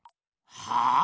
はあ？